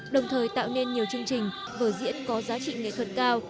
đồng thời tạo nên nhiều chương trình vở diễn có giá trị nghệ thuật cao